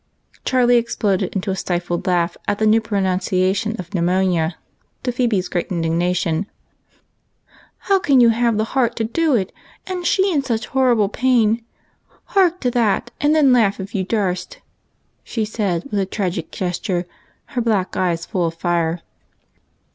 Charlie exploded into a stifled laugh at the new pro nunciation of pneumonia, to Phebe's great indigna tion. " How can you have the heart to do it, and she in such horrid pain ? Hark to that, and then laugh if you darst," she said with a tragic gesture, and her black eyes full of fire.